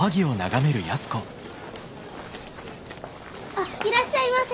あっいらっしゃいませ。